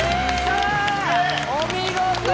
お見事！